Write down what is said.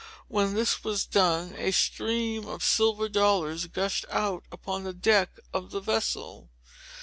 When this was done, a stream of silver dollars gushed out upon the deck of the vessel.